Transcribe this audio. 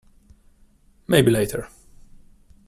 Maybe later.